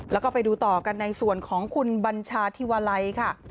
แล้วก็ไปดูต่อกันในส่วนของคุณบัญชาธิวาลัยค่ะ